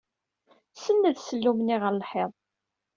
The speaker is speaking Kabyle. Senned ssellum-nni ɣer lḥiḍ.